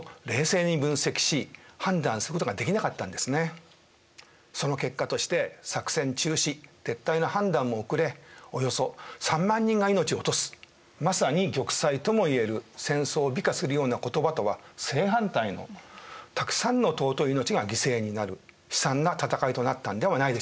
つまりその結果として作戦中止・撤退の判断も遅れおよそ３万人が命を落とすまさに玉砕ともいえる戦争を美化するような言葉とは正反対のたくさんの尊い命が犠牲になる悲惨な戦いとなったんではないでしょうか。